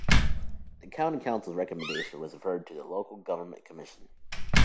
The County Council's recommendation was referred to the Local Government Commission.